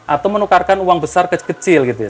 atau menukarkan uang besar kecil kecil gitu ya